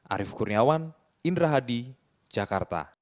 arief kurniawan indra hadi jakarta